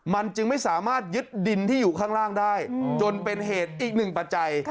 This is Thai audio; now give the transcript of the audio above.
มันจึงไม่สามารถยึดดินที่อยู่ข้างล่างได้จนเป็นเหตุอีกหนึ่งปัจจัย